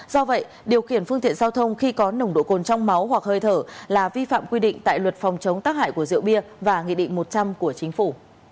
do vậy điều khiển phương tiện giao thông khi có nồng độ cồn trong máu hoặc hơi thở là vi phạm quy định tại luật phòng chống tác hại của rượu bia và nghị định một trăm linh của chính phủ